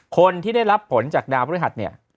คนที่ได้รับผลจากดาวพฤหัสเนี่ย